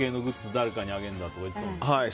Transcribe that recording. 誰かにあげるんだとか言っていました。